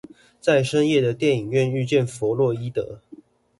在深夜的電影院遇見佛洛伊德